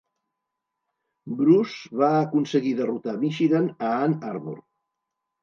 Bruce va aconseguir derrotar Michigan a Ann Arbor.